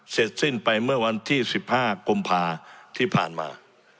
เสร็จสิ้นไปเมื่อวันที่๑๕กุมภาที่ผ่านมา